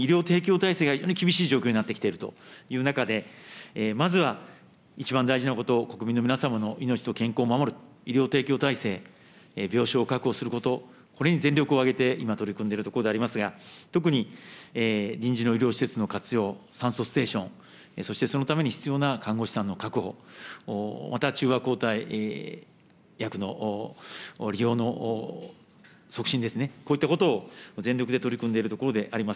特に医療提供体制が厳しい状況になってきているという中で、まずは、一番大事なこと、国民の皆様の命と健康を守る、医療提供体制、病床を確保すること、これに全力を挙げて、今、取り組んでいるところでありますが、特に臨時の医療施設の活用、酸素ステーション、そしてそのために必要な看護師さんの確保、また、中和抗体薬の利用の促進ですね、こういったことを全力で取り組んでいるところであります。